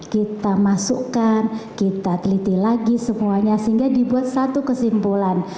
kita masukkan kita teliti lagi semuanya sehingga dibuat satu kesimpulan